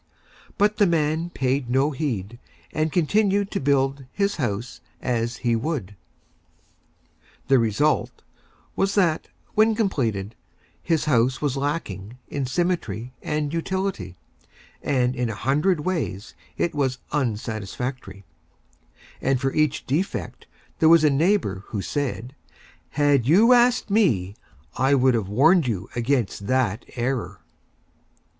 But the Man paid no Heed, and continued to build his House as he Would. The Result was that, when completed, his House was lacking in Symmetry and Utility, and in a Hundred ways it was Unsatisfactory, and for each Defect there was a Neighbor who said, "Had you asked Me, I would have Warned you against that Error."